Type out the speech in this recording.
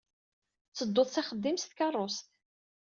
Tettedduḍ s axeddim s tkeṛṛust.